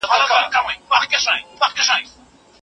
ایا څېړونکی باید د متن محتوا پرتله کړي؟